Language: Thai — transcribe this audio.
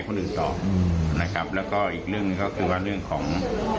ให้คนอื่นต่อแล้วก็อีกเรื่องก็คือว่าเรื่องของ